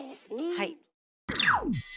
はい。